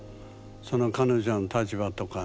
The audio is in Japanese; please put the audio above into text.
その彼女の立場とか何か。